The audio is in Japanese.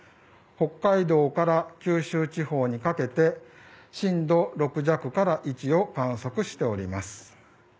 北海道から九州地方にかけて震度６弱から１を観測しております。